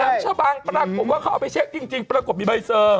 แหลมชะบังผมก็ขอไปเช็คจริงปรากฏมีใบเสิร์ฟ